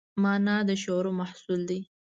مانا د شعور محصول دی.